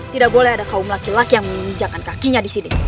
tidak boleh ada kaum laki laki yang meninjakkan kakinya disini